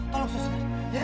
tolong suster ya